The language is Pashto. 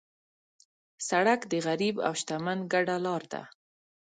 سړک د غریب او شتمن ګډه لار ده.